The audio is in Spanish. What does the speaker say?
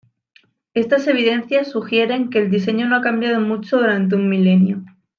Estas evidencias sugieren que el diseño no ha cambiado mucho durante un milenio.